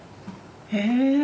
へえ。